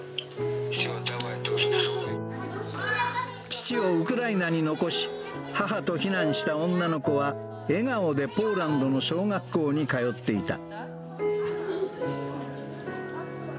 父をウクライナに残し、母と避難した女の子は、笑顔でポーランドの小学校に通っていた。